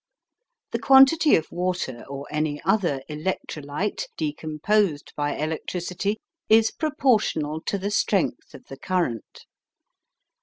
The quantity of water or any other "electrolyte" decomposed by electricity is proportional to the strength of the current.